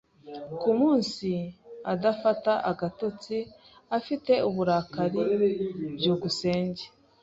Ku munsi adafata agatotsi, afite uburakari. byukusenge